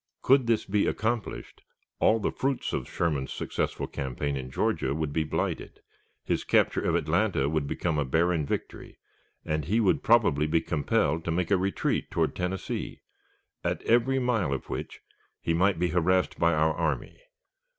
Could this be accomplished, all the fruits of Sherman's successful campaign in Georgia would be blighted, his capture of Atlanta would become a barren victory, and he would probably be compelled to make a retreat toward Tennessee, at every mile of which he might be harassed by our army.